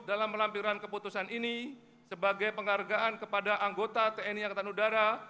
dalam melampirkan keputusan ini sebagai penghargaan kepada anggota tni angkatan udara